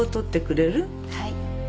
はい。